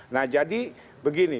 nah jadi begini